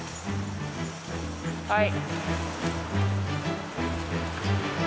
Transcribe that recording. はい。